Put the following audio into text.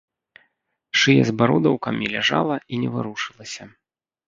Шыя з бародаўкамі ляжала і не варушылася.